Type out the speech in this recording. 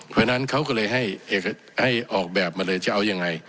เพราะฉะนั้นเขาก็เลยให้ออกแบบมาเลยจะเอายังไง